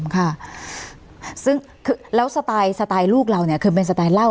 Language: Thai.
ค่ะซึ่งแล้วสไตลสไตล์ลูกเราเนี่ยคือเป็นสไตล์เหล้า